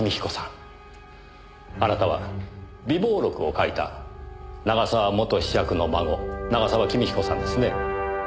あなたは備忘録を書いた永沢元子爵の孫永沢公彦さんですね？